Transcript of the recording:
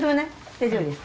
大丈夫ですか？